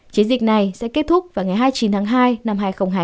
chiến dịch này sẽ kết thúc vào ngày hai mươi chín tháng hai năm hai nghìn hai mươi